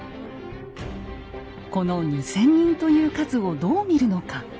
この２，０００人という数をどう見るのか。